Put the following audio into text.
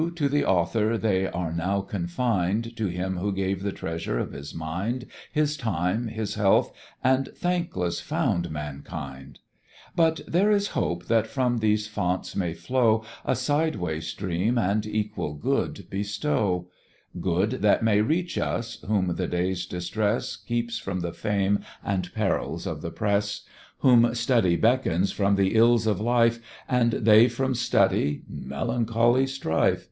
to the Author they are now confined, To him who gave the treasure of his mind, His time, his health, and thankless found mankind: But there is hope that from these founts may flow A side way stream, and equal good bestow; Good that may reach us, whom the day's distress Keeps from the fame and perils of the Press; Whom Study beckons from the Ills of Life, And they from Study; melancholy strife!